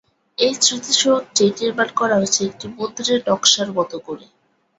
এই স্মৃতিসৌধটি নির্মান করা হয়েছে একটি মন্দিরের নকশার মতো করে।